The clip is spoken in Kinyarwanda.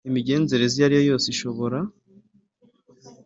Imigenzereze iyo ari yo yose ishobora